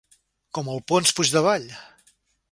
Com el Ponç Puigdevall?